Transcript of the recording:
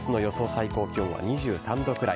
最高気温は２３度くらい。